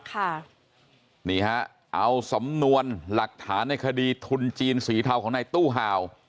ค่ะนี่ฮะเอาสำนวนหลักฐานในคดีทุนจีนสีเทาของในตู้ห่าว